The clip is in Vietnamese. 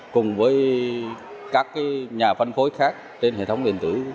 cùng với các nhà phân phối khác trên hệ thống điện tử